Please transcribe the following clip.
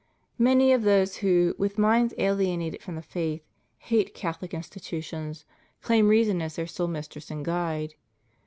Many of those who, with minds ahenated from the faith, hate Cathohc institutions, claim reason as their sole mistress and guide.